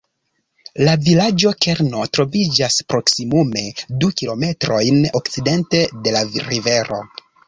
La vilaĝo-kerno troviĝas proksimume du kilometrojn okcidente de la rivero.